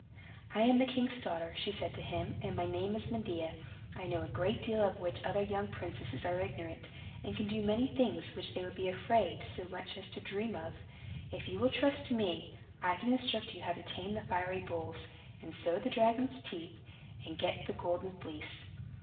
"I am the king's daughter," she said to him, "and my name is Medea. I know a great deal of which other young princesses are ignorant, and can do many things which they would be afraid so much as to dream of. If you will trust to me, I can instruct you how to tame the fiery bulls, and sow the dragon's teeth, and get the Golden Fleece."